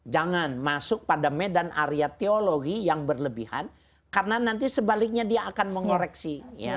jangan masuk pada medan area teologi yang berlebihan karena nanti sebaliknya dia akan mengoreksi